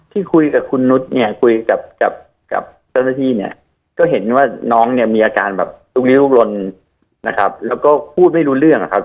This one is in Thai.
ที่คุยกับคุณนุษย์เนี่ยคุยกับกับเจ้าหน้าที่เนี่ยก็เห็นว่าน้องเนี่ยมีอาการแบบลุกลี้ลุกลนนะครับแล้วก็พูดไม่รู้เรื่องอะครับ